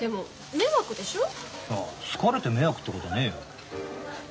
好かれて迷惑ってことねえよ。